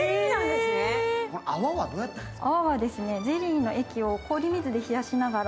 泡はどうやってるんですか？